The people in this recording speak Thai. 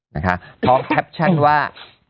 นะคะพอร์คแท็ปชั่นว่า